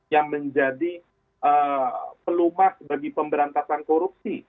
yang menjadi pelumas bagi pemberantasan korupsi